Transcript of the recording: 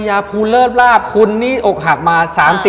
สัก๓๔๕รอบแหละ